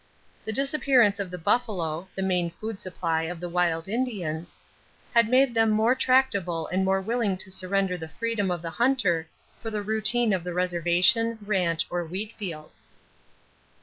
The disappearance of the buffalo, the main food supply of the wild Indians, had made them more tractable and more willing to surrender the freedom of the hunter for the routine of the reservation, ranch, or wheat field.